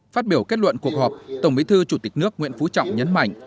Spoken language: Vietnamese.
phát biểu kết luận cuộc họp tổng bí thư chủ tịch nước nguyễn phú trọng nhấn mạnh